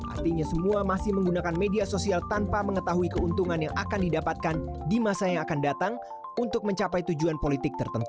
artinya semua masih menggunakan media sosial tanpa mengetahui keuntungan yang akan didapatkan di masa yang akan datang untuk mencapai tujuan politik tertentu